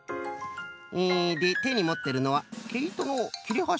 でてにもってるのはけいとのきれはし？